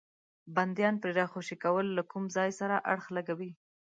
بندیان پرې راخوشي کول له کوم ځای سره اړخ لګوي.